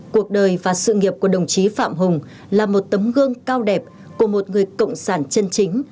cuộc đời và sự nghiệp của đồng chí phạm hùng là một tấm gương cao đẹp của một người cộng sản chân chính